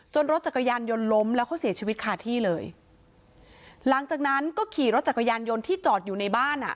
รถจักรยานยนต์ล้มแล้วเขาเสียชีวิตคาที่เลยหลังจากนั้นก็ขี่รถจักรยานยนต์ที่จอดอยู่ในบ้านอ่ะ